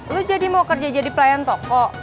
lo jadi mau kerja jadi pelayan toko